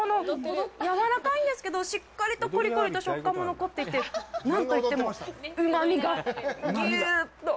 やわらかいんですけどしっかりとコリコリと食感も残っていて、なんといっても、うまみがぎゅうっと。